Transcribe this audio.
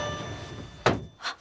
あっ。